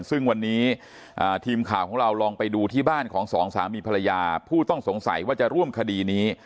ซึ่งวันนี้ทีมข่าวของเราลองไปดูที่บ้านของสองสามีภรรยาผู้ต้องสงสัยว่าจะร่วมคดีนี้